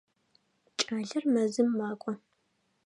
Кӏалэр мэзым макӏо.